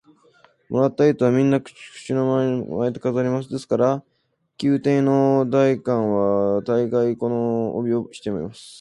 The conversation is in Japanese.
もらった糸は、みんな腰のまわりに巻いて飾ります。ですから、宮廷の大官は大がい、この帯をしています。